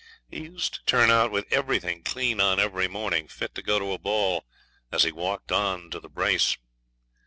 He used to turn out with everything clean on every morning, fit to go to a ball, as he walked on to the brace.